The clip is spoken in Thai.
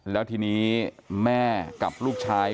แล้วทีนี้แม่กับลูกชาย